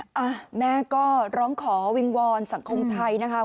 แม่ก็ร้องขอวิงวอนสังคมไทยนะคะ